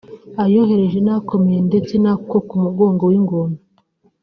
ayoroheje n’akomeye ndetse n’ako ku mugongo w’ingona